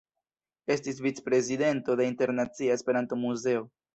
Estis vicprezidento de Internacia Esperanto-Muzeo.